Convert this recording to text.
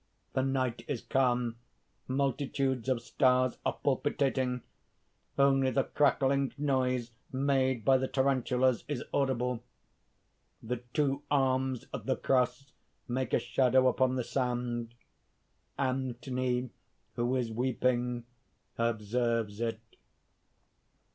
_ The night is calm; multitudes of stars are palpitating; only the crackling noise made by the tarantulas is audible. _The two arms of the cross make a shadow upon the sand; Anthony, who is weeping, observes it.